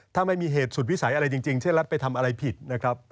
ถ้าไม่มีเหตุสุดวิสัยอะไรจริงเช่นรัฐไปทำอะไรผิดนะครับ